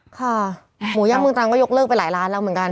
ค่ะหมูย่างเมืองตรังก็ยกเลิกไปหลายร้านแล้วเหมือนกัน